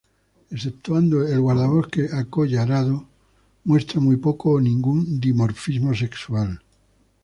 Exceptuando el guardabosques acollarado, muestran muy poco, o ningún, dimorfismo sexual.